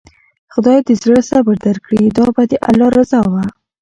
خداى د زړه صبر درکړي، دا به د الله رضا وه.